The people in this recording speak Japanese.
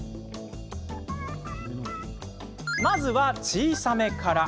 まずは小さめから。